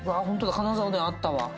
金沢おでんあったわ。